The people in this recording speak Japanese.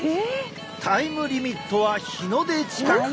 タイムリミットは日の出近く。